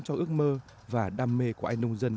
cho ước mơ và đam mê của ai nông dân